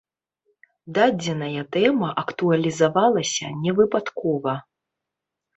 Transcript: Дадзеная тэма актуалізавалася не выпадкова.